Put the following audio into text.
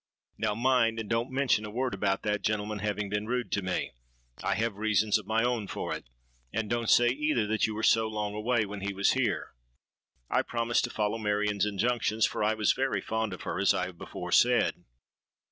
Now, mind and don't mention a word about that gentleman having been rude to me. I have reasons of my own for it. And don't say either, that you were so long away when he was here.' I promised to follow Marion's injunctions; for I was very fond of her, as I have before said.